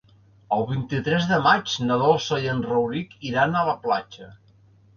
El vint-i-tres de maig na Dolça i en Rauric iran a la platja.